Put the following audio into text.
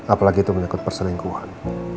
apalagi itu menikut perselingkuhan